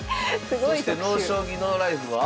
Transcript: そして「ＮＯ将棋ＮＯＬＩＦＥ」は？